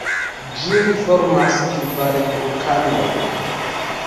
Ĝin formas kvar vulkanoj.